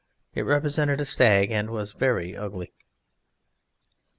It represented a stag and was very ugly.